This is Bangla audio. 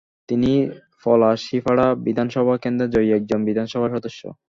তিনি পলাশীপাড়া বিধানসভা কেন্দ্রে জয়ী একজন বিধানসভা সদস্য।